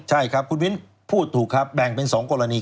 ใช่ครับคุณวินพูดถูกครับแบ่งเป็น๒กรณี